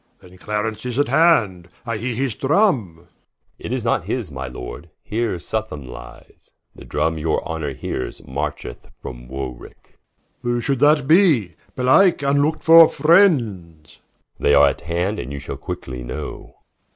Then Clarence is at hand, I heare his Drumme Someru. It is not his, my Lord, here Southam lyes: The Drum your Honor heares, marcheth from Warwicke War. Who should that be? belike vnlook'd for friends Someru. They are at hand, and you shall quickly know.